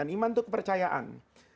iman itu kepercayaan